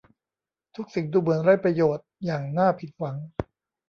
ทุกสิ่งดูเหมือนไร้ประโยชน์อย่างน่าผิดหวัง